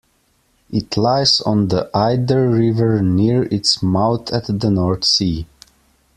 It lies on the Eider river near its mouth at the North Sea.